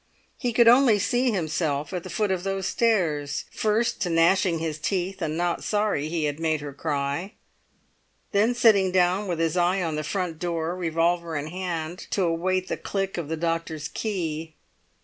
He could only see himself at the foot of those stairs, first gnashing his teeth and not sorry he had made her cry, then sitting down with his eye on the front door, revolver in hand, to await the click of the doctor's key.